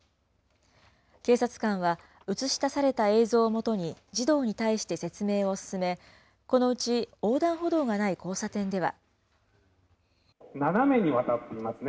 警察官は、映し出された映像をもとに児童に対して説明を進め、このうち横断歩道がない交差点では。